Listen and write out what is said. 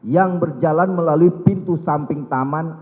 yang berjalan melalui pintu samping taman